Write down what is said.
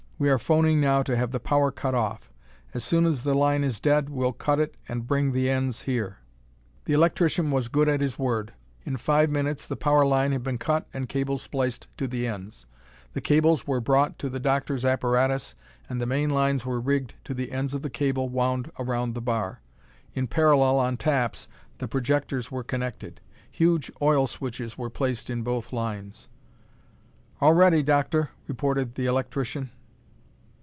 We are phoning now to have the power cut off. As soon as the line is dead we'll cut it and bring the ends here." The electrician was good at his word. In five minutes the power line had been cut and cables spliced to the ends. The cables were brought to the doctor's apparatus and the main lines were rigged to the ends of the cable wound around the bar. In parallel on taps, the projectors were connected. Huge oil switches were placed in both lines. "All ready, Doctor," reported the electrician.